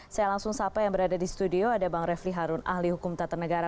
saya langsung sapa yang berada di studio ada bang refli harun ahli hukum tata negara